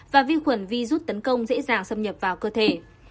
và vi khuẩn vi rút tấn công dễ dàng xâm nhập vào cơ thể